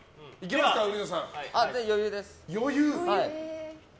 余裕です。